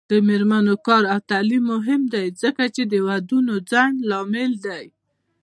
د میرمنو کار او تعلیم مهم دی ځکه چې ودونو ځنډ لامل دی.